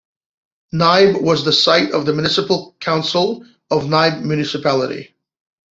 Nibe was the site of the municipal council of Nibe Municipality.